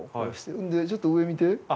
んでちょっと上見て。